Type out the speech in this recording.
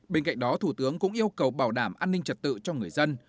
bên cạnh đó thủ tướng cũng yêu cầu bảo đảm an ninh trật tự cho người dân